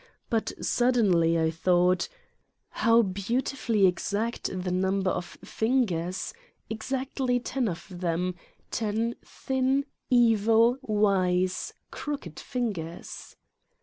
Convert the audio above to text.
But suddenly I thought: how beautifully exact the number of fingers, exactly ten of them, ten thin, evil, wise, crooked fingers